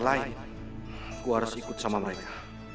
karena harus ikut sama mereka